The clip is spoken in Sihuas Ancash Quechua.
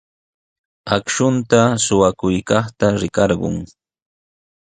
Akshunta suqakuykaqta rikarqun.